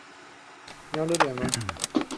同年首次回到母亲的故乡贵州省贵定县。